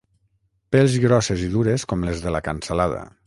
Pells grosses i dures com les de la cansalada.